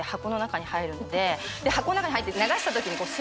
箱の中に入って。